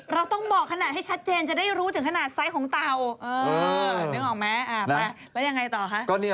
เราต้องบอกขนาดให้ชัดเจนจะได้รู้ถึงขนาดไซด์ของเตา